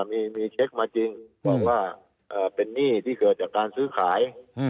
มีเช็คมาจริงบอกว่าเป็นหนี้ที่เกิดจากการซื้อขาย